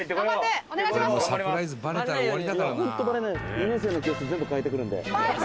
「２年生の教室全部替えてくるんで」